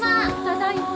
ただいま。